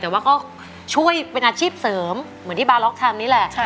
แต่ว่าก็ช่วยเป็นอาชีพเสริมเหมือนที่บาล็อกทำนี่แหละ